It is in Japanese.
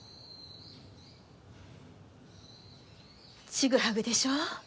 ちぐはぐでしょう？